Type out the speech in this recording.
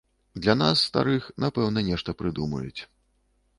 Для нас, старых, напэўна нешта прыдумаюць.